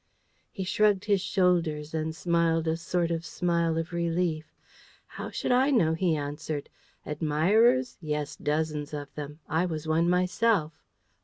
He shrugged his shoulders and smiled a sort of smile of relief. "How should I know?" he answered. "Admirers? yes, dozens of them; I was one myself.